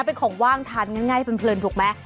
เป็นของว่างทานง่ายเพลินถูกไหม